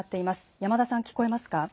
山田さん、聞こえますか。